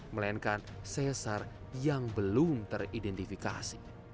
melainkan sesar yang belum teridentifikasi